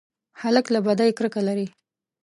هلک له بدۍ کرکه لري.